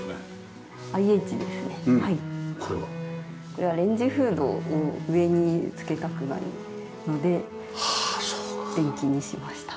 これはレンジフードを上に付けたくないので電気にしました。